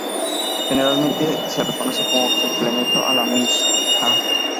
Generalmente se reconoce como complemento a la Mishná.